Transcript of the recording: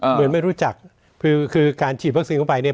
เอ่อเหมือนไม่รู้จักคือคือการฉีดวัคซีนเข้าไปเนี้ย